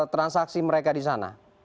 transaksi mereka disana